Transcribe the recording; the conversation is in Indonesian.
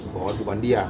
bahwa di bawah dia